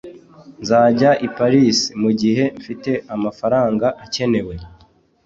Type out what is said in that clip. nzajya i paris mugihe mfite amafaranga akenewe